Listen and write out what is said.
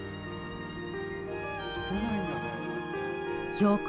標高